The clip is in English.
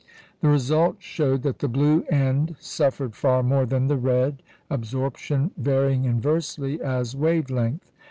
The result showed that the blue end suffered far more than the red, absorption varying inversely as wave length.